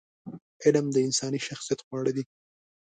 علم د انساني شخصیت خواړه دي.